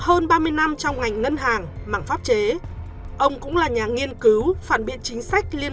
hơn ba mươi năm trong ngành ngân hàng mảng pháp chế ông cũng là nhà nghiên cứu phản biện chính sách liên